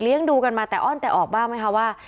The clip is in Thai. ดูกันมาแต่อ้อนแต่ออกบ้างไหมคะว่า